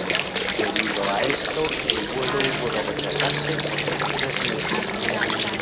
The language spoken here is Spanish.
Debido a esto, el vuelo hubo de retrasarse otros tres meses.